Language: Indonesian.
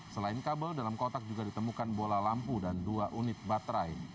selain kabel dalam kotak juga ditemukan bola lampu dan dua unit baterai